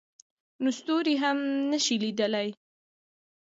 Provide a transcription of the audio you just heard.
نو ستوري هم نه شي لیدلی.